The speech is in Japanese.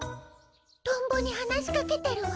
トンボに話しかけてるわ。